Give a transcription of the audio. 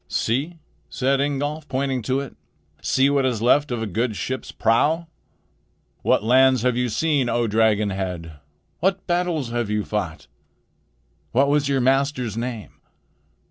"See," said Ingolf, pointing to it, "see what is left of a good ship's prow! What lands have you seen, O dragon's head? What battles have you fought? What was your master's name?